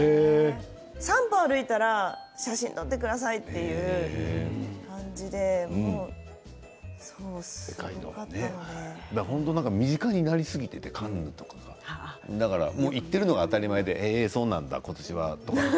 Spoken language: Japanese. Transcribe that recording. ３歩歩いたら写真を撮って本当に身近になりすぎていてカンヌとかが行っているのが当たり前みたいでそうなんだ、今年はって。